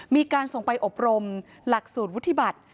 มีการส่งไปอบรมหลักสูตรวุฒิบัติ